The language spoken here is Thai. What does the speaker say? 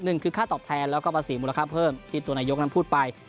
หนึ่งคือค่าตอบแทนแล้วก็ภาษีมูลค่าเพิ่มที่ตัวนายกนั้นพูดไป